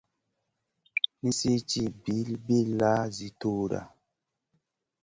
Nisi ci bilbilla zi dutta.